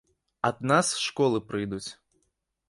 Ад нас з школы прыйдуць.